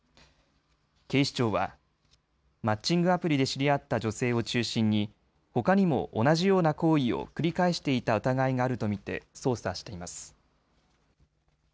警視庁はマッチングアプリで知り合った女性を中心にほかにも同じような行為を繰り返していた疑いがあると見て捜査しています。